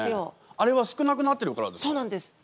あれは少なくなってるからですか？